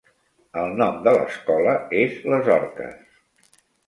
El nom de l'escola és les "orques".